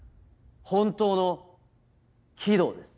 本当の鬼道です。